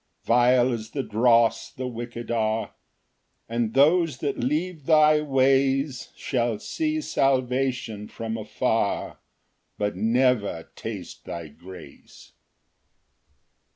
Ver. 119 155. 6 Vile as the dross the wicked are; And those that leave thy ways Shall see salvation from afar, But never taste thy grace.